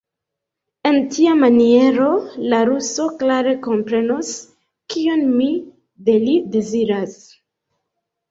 En tia maniero la ruso klare komprenos, kion mi de li deziras.